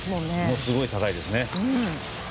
すごい高いですね。